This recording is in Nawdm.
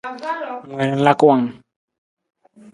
Ng wii ng laka wang ?